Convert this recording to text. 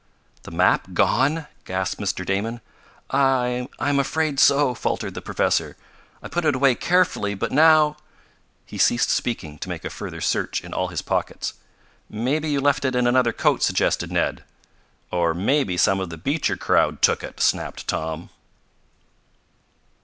"The map gone?" gasped Mr. Damon. "I I'm afraid so," faltered the professor. "I put it away carefully, but now " He ceased speaking to make a further search in all his pockets. "Maybe you left it in another coat," suggested Ned. "Or maybe some of the Beecher crowd took it!" snapped Tom.